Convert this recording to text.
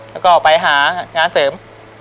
แล้วก็ไปหางานเสริม